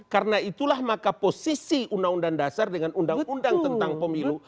karena itulah maka posisi undang undang dasar dengan undang undang tentang pemilu